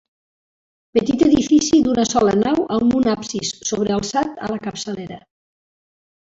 Petit edifici d'una sola nau amb un absis sobrealçat a la capçalera.